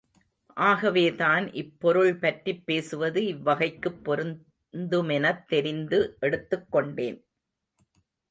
ஆகவேதான், இப்பொருள்பற்றிப் பேசுவது இவ்வகைக்குப் பொருந்துமெனத் தெரிந்து எடுத்துக் கொண்டேன்.